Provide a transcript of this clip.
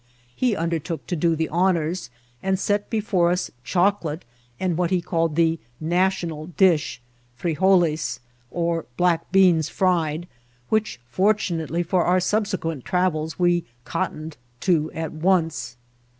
He im dertook to do the honours, and set before us choco late and what he called the ^' national dish," firegoles, or black beans firied, which, fortunately for our subse quent travels, we " cottoned" to at once.